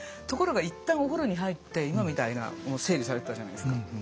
ところが一旦お風呂に入って今みたいな整理されてたじゃないですか。